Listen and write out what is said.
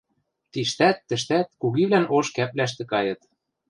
Тиштӓт, тӹштӓт кугивлӓн ош кӓпвлӓштӹ кайыт.